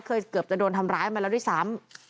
เกือบจะโดนทำร้ายมาแล้วด้วยซ้ำ